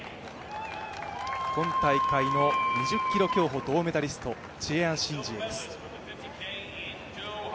今大会も２０ｋｍ競歩銅メダリスト、切陽什姐です。